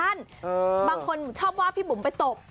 บางคนชอบว่าพี่บุ๋มไปตบ